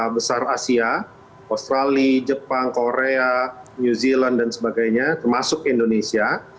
besar asia australia jepang korea new zealand dan sebagainya termasuk indonesia